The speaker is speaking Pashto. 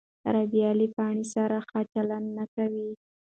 رابعه له پاڼې سره ښه چلند نه کوي.